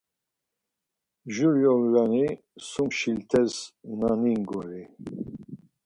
Jur yorğani, sum şiltesna ningori